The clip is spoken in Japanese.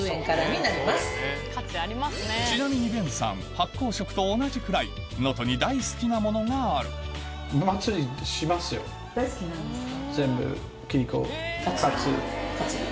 発酵食と同じくらい能登に大好きなものがある大好きなんですか？